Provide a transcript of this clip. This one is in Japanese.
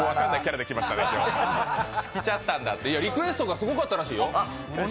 リクエストがすごかったのよ。